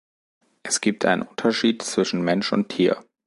Es gibt einen Unterschied zwischen Mensch und Tier.